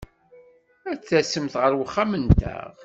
Ad tasemt ɣer wexxam-nteɣ?